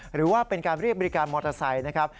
หรือว่าเป็นการเรียกบริการมอเตอร์ไซค์นะครับ